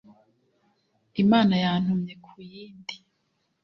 imana yantumye ku yindi